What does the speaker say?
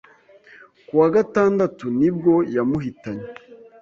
ku wa gatandatu nibwo yamuhitanye